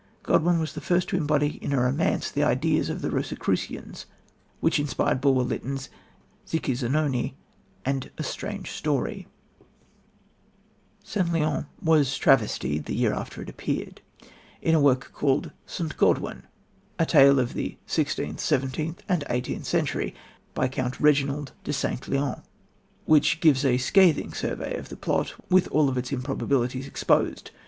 Godwin was the first to embody in a romance the ideas of the Rosicrucians which inspired Bulwer Lytton's Zicci, Zanoni and A Strange Story. St. Leon was travestied, the year after it appeared, in a work called St. Godwin: A Tale of the 16th, 17th and 18th Century, by "Count Reginald de St. Leon," which gives a scathing survey of the plot, with all its improbabilities exposed.